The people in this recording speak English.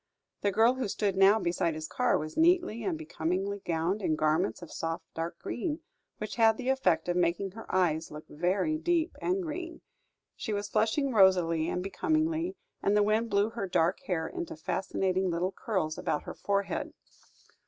The girl who stood now beside his car was neatly and becomingly gowned in garments of soft dark green, which had the effect of making her eyes look very deep and green; she was flushing rosily and becomingly, and the wind blew her dark hair into fascinating little curls about her forehead.